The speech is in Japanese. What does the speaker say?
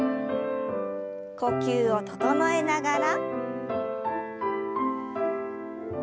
呼吸を整えながら。